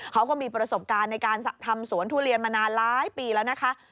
เขาก็มีประสบการณ์ในการทำสวนทุเรียนมานานหลายปีแล้วนะคะ